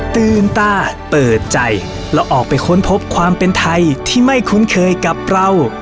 ตื่นตาเปิดใจแล้วออกไปค้นพบความเป็นไทยที่ไม่คุ้นเคยกับเรา